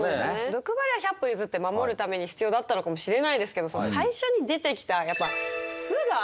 毒針は百歩譲って守るために必要だったのかもしれないですけど最初に出てきたやっぱ巣が嫌！